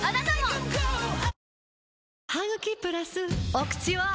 お口は！